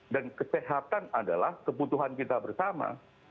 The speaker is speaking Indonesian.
dan kesehatan adalah kebutuhan kita bersama